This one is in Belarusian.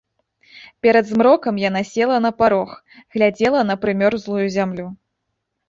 Перад змрокам яна села на парог, глядзела на прымёрзлую зямлю.